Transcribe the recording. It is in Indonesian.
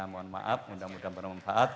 mohon maaf mudah mudahan bermanfaat